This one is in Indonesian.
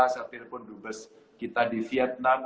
saya telepon dubes kita di vietnam